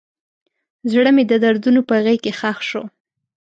زړه مې د دردونو په غیږ کې ښخ شو.